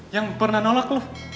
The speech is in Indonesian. yang pernah nolak lo